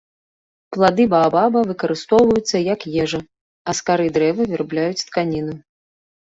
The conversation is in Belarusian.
Плады баабаба выкарыстоўваюцца, як ежа, а з кары дрэва вырабляюць тканіну.